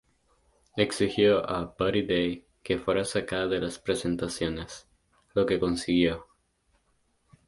Exigió a Buddy Day que fuera sacada de las presentaciones, lo que consiguió.